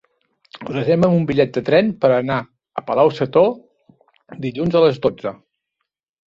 Reserva'm un bitllet de tren per anar a Palau-sator dilluns a les dotze.